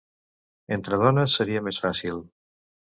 Entre dones seria més fàcil.